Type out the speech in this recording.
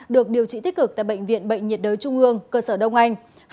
được điều trị tích cực tại bệnh viện bệnh nhiệt đới trung ương cơ sở đông anh